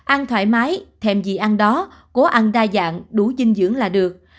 ăn thoải mái thêm gì ăn đó cố ăn đa dạng đủ dinh dưỡng là được